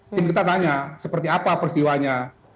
tim kita tanya seperti apa persiwanya